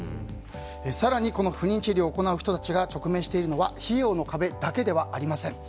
更に不妊治療を行う人たちが直面しているのは費用の壁だけではありません。